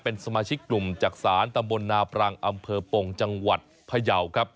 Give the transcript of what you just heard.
เป็นสมาชิกกลุ่มจักษานตำบลนาปรังอำเภอปงจังหวัดพยาวครับ